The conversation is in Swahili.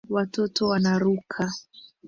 Watoto wanaruka